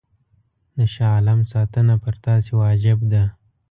د شاه عالم ساتنه پر تاسي واجب ده.